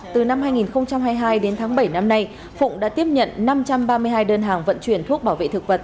từ năm hai nghìn hai mươi hai đến tháng bảy năm nay phụng đã tiếp nhận năm trăm ba mươi hai đơn hàng vận chuyển thuốc bảo vệ thực vật